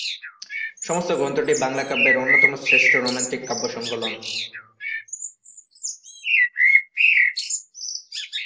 সমগ্র গ্রন্থটি বাংলা কাব্যের অন্যতম শ্রেষ্ঠ রোম্যান্টিক কাব্য সংকলন।